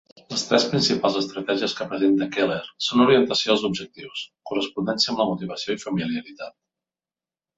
Les tres principals estratègies que presenta Keller són orientació als objectius, correspondència amb la motivació i familiaritat.